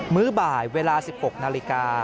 ื้อบ่ายเวลา๑๖นาฬิกา